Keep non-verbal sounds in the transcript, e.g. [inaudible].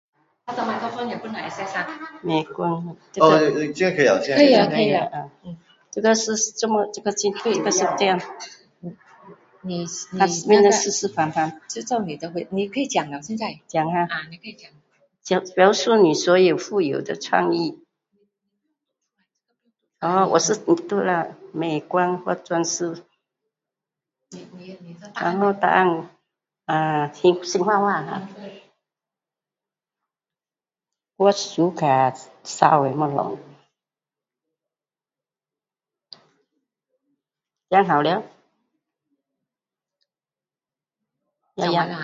[noise] 我喜欢美的東酉